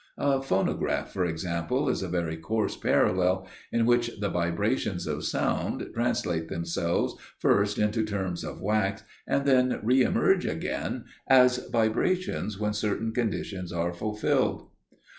A phonograph, for example, is a very coarse parallel, in which the vibrations of sound translate themselves first into terms of wax, and then re emerge again as vibrations when certain conditions are fulfilled.